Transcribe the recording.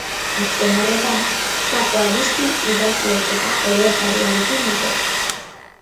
Azken horretan, Pako Aristi idazle eta olerkariarekin batera.